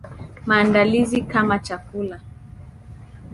Maandalizi kama chakula.